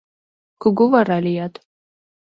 Кугу вара лият